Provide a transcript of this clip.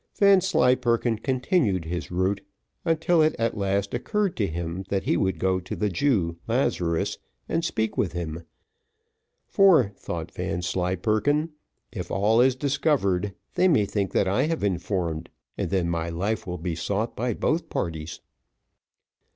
Vanslyperken continued his route, until it at last occurred to him that he would go to the Jew Lazarus, and speak with him; for, thought Vanslyperken, if all is discovered, they may think that I have informed, and then my life will be sought by both parties.